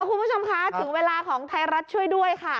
คุณผู้ชมคะถึงเวลาของไทยรัฐช่วยด้วยค่ะ